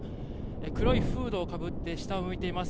黒いフードをかぶって下を向いています。